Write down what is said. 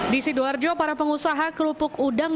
di sidoarjo para pengusaha kerupuk udang